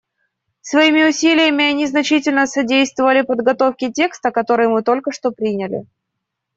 Своими усилиями они значительно содействовали подготовке текста, который мы только что приняли.